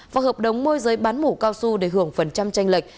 và hợp đồng môi giới bán mũ cao su để hưởng phần trăm tranh lệch